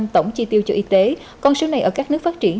tổng chi tiêu cho y tế con số này ở các nước phát triển